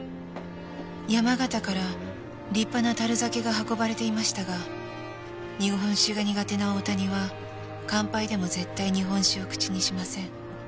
山形から立派な樽酒が運ばれていましたが日本酒が苦手な大谷は乾杯でも絶対日本酒を口にしません。